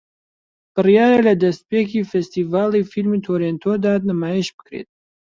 بڕیارە لە دەستپێکی فێستیڤاڵی فیلمی تۆرێنتۆ دا نمایش بکرێت